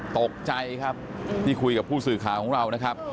ตกใจครับคุยกับผู้สื่อข้าวของเรา